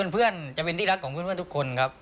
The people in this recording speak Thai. เพื่อนจะเป็นที่รักของเพื่อนทุกคนครับ